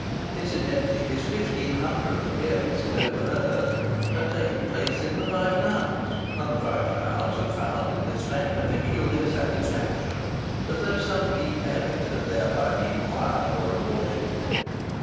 Incidentally, his fifteen hundredth appearance in "Overheard" had taken place in the Five Towns, and the Five Towns had found in this fact a peculiar satisfaction, as though some deep merit had thereby been acquired or rewarded.